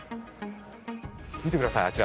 見てください、あちら。